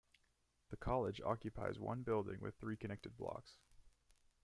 The college occupies one building with three connected blocks.